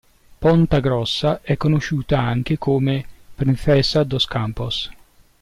Ponta Grossa è conosciuta anche come "Princesa dos Campos".